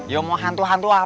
ya mau hantu hantu apa